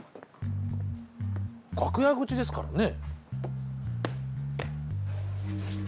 楽屋口ですからね。